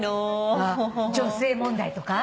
あっ女性問題とか？